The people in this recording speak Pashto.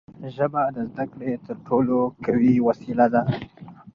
ژبه د زدهکړې تر ټولو قوي وسیله ده.